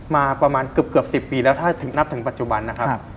มาประมาณเกือบ๑๐ปีแล้วถ้านับถึงปัจจุบันนะครับ